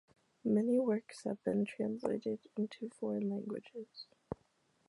Many works have been translated into foreign languages.